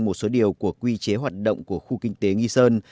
một số điều của quy chế hoạt động của khu kinh tế nghi sơn